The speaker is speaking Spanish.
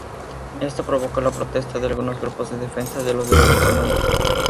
Esto provocó la protesta de algunos grupos de defensa de los derechos humanos.